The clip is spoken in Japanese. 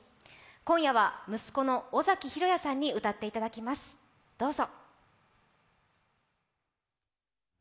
今夜は、息子の尾崎裕哉さんに歌っていただきます、どうぞ。